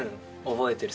覚えてる。